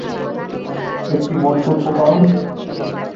একটা মন্তব্য কার্ড?